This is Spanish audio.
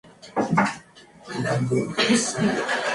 El Director es Alirio Rangel Wilches.